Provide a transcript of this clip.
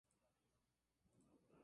La primera impresión es la que cuenta